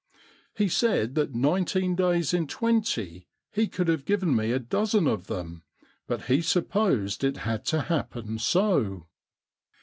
He said that nineteen days in twenty he could have given me a dozen of them, but he supposed it had to happen so.'